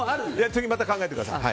次また考えてください。